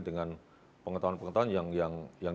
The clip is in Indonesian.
dengan pengetahuan pengetahuan yang